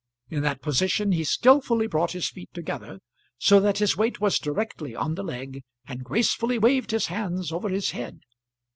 In that position he skillfully brought his feet together, so that his weight was directly on the leg, and gracefully waved his hands over his head.